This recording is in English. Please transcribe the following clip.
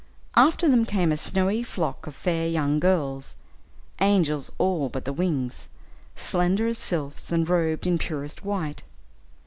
After them came a snowy flock of fair young girls, angels all but the wings, slender as sylphs, and robed in purest white.